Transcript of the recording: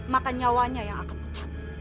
maka nyawanya yang akan pecah